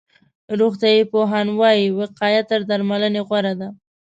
روغتيا پوهان وایي، وقایه تر درملنې غوره ده.